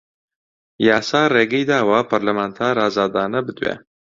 یاسا ڕێگەی داوە پەرلەمانتار ئازادانە بدوێ